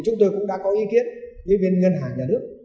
chúng tôi cũng đã có ý kiến với viên ngân hàng nhà nước